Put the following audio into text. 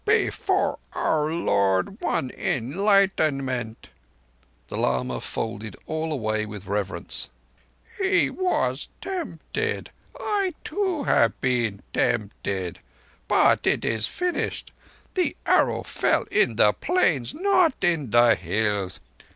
"Before our Lord won Enlightenment"—the lama folded all away with reverence—"He was tempted. I too have been tempted, but it is finished. The Arrow fell in the Plains—not in the Hills.